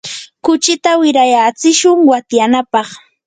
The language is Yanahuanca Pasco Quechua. kuchita wirayatsishun watyanapaq.